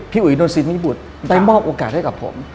อุ๋ยนนสินวิบุตรได้มอบโอกาสให้กับผม